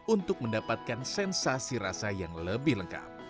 untuk mendapatkan sensasi rasa yang lebih lengkap